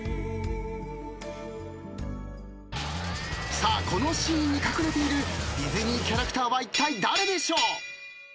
さあこのシーンに隠れているディズニーキャラクターはいったい誰でしょう？